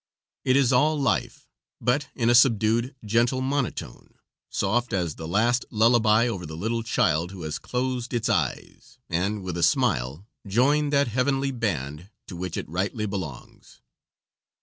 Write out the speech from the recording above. It is all life, but in a subdued, gentle monotone, soft as the last lullaby over the little child who has closed its eyes and, with a smile, joined that heavenly band to which it rightly belongs.